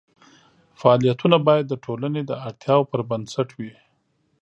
فعالیتونه باید د ټولنې د اړتیاوو پر بنسټ وي.